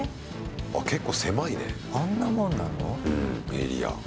エリア。